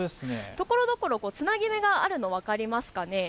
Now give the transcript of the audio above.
ところどころつなぎ目があるの分かりますか。